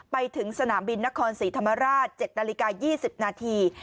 ไปถึงสนามบินนครศรีธรรมราช๗นาฬิกา๒๐นาที